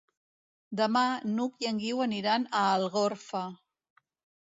Demà n'Hug i en Guiu aniran a Algorfa.